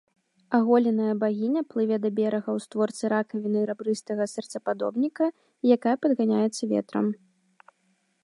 Аголеная багіня плыве да берага ў створцы ракавіны рабрыстага сэрцападобніка, якая падганяецца ветрам.